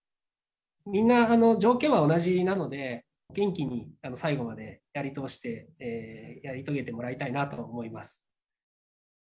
みんな条件は同じなので、元気に最後までやり通して、やり遂げてもらいたいなと思います。